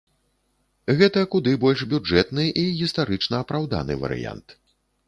Гэта куды больш бюджэтны і гістарычна апраўданы варыянт.